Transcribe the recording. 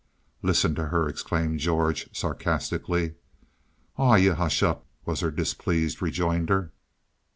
"Listen to her," exclaimed George, sarcastically. "Aw, you hush up," was her displeased rejoinder.